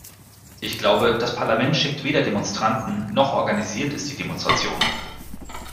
Ich glaube, das Parlament schickt weder Demonstranten noch organisiert es die Demonstration.